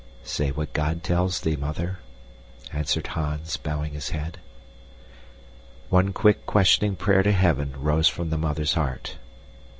"Say what God tells thee, Mother," answered Hans, bowing his head. One quick, questioning prayer to Heaven rose from the mother's heart.